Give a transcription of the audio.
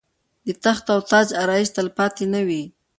د تخت او تاج آرایش تلپاتې نه وي.